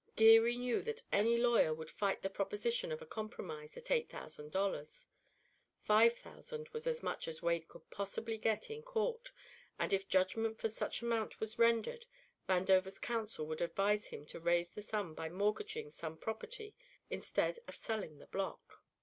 Geary knew that any lawyer would fight the proposition of a compromise at eight thousand dollars: five thousand was as much as Wade could possibly get in court, and if judgment for such amount was rendered, Vandover's counsel would advise him to raise the sum by mortgaging some property instead of selling the block.